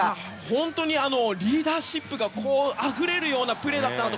本当にリーダーシップがあふれるようなプレーだったと。